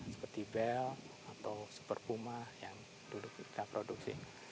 seperti bel atau super puma yang dulu kita produksi